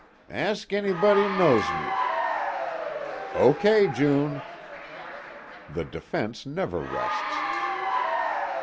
Ask anybody knows me." "O_kay_, June!" _The defense never rests.